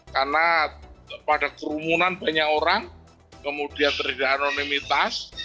karena pada kerumunan banyak orang kemudian terjadi anonimitas